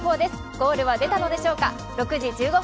ゴールは出たのでしょうか？